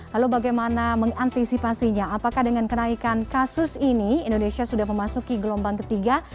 lalu bagaimana mengantisipasinya apakah dengan kenaikan kasus ini indonesia sudah memasuki gelombang ketiga